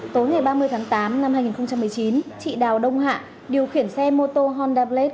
tối ngày ba mươi tháng tám năm hai nghìn một mươi chín chị đào đông hạ điều khiển xe mô tô honda blade